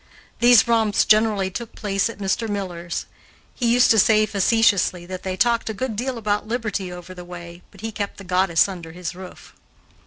These romps generally took place at Mr. Miller's. He used to say facetiously, that they talked a good deal about liberty over the way, but he kept the goddess under his roof.